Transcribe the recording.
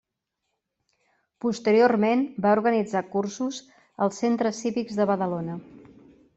Posteriorment va organitzar cursos als centres cívics de Badalona.